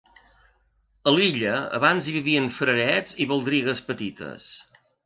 A l'illa abans hi vivien frarets i baldrigues petites.